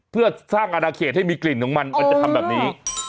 เพื่อสร้างอนาเขตให้มีกลิ่นของมันมันจะทำแบบนี้